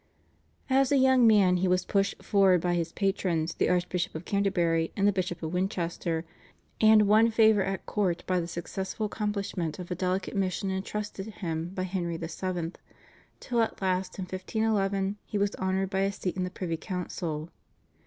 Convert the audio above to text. As a young man he was pushed forward by his patrons, the Archbishop of Canterbury and the Bishop of Winchester, and won favour at court by the successful accomplishment of a delicate mission entrusted to him by Henry VII., till at last in 1511 he was honoured by a seat in the privy council.